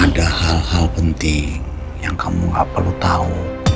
ada hal hal penting yang kamu gak perlu tahu